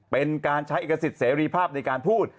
เป็นการใช้เอกสิทธิเสรีภาพในการพูด